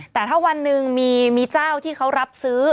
แต่ถ้าวันหนึ่งมีเจ้าที่เขารับซื้อ